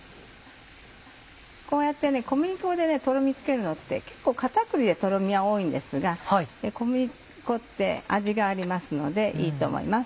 こうやって小麦粉でトロミつけるのって結構片栗でトロミは多いんですが小麦粉って味がありますのでいいと思います。